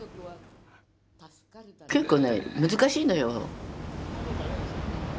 結構ね難しいのよ。